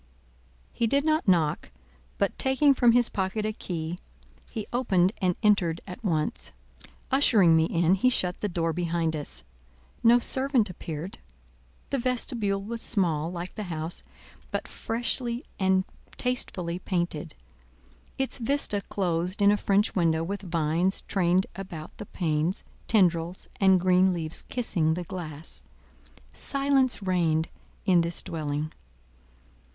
He did not knock, but taking from his pocket a key, he opened and entered at once. Ushering me in, he shut the door behind us. No servant appeared. The vestibule was small, like the house, but freshly and tastefully painted; its vista closed in a French window with vines trained about the panes, tendrils, and green leaves kissing the glass. Silence reigned in this dwelling.